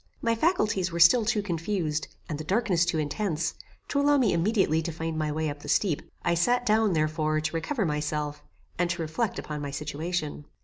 My faculties were still too confused, and the darkness too intense, to allow me immediately to find my way up the steep. I sat down, therefore, to recover myself, and to reflect upon my situation.